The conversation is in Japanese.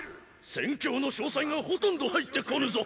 戦況の詳細がほとんど入って来ぬぞ！